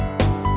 oke sampai jumpa